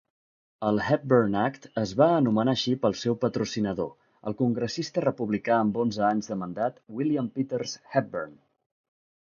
El Hepburn Act es va anomenar així pel seu patrocinador, el congressista republicà amb onze anys de mandat William Peters Hepburn.